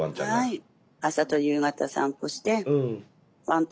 はい。